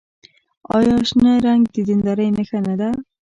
آیا شنه رنګ د دیندارۍ نښه نه ده؟